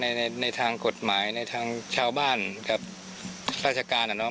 ในในทางกฎหมายในทางชาวบ้านกับราชการอ่ะเนาะ